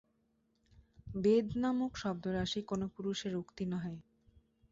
বেদ-নামক শব্দরাশি কোন পুরুষের উক্তি নহে।